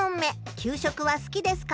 「給食は好きですか？」。